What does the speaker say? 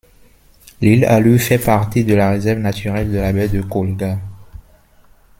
L'île Allu fait partie de la réserve naturelle de la baie de Kolga.